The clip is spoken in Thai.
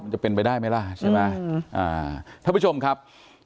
จะเป็นไปได้ไหมล่ะท่านผู้ชมครับ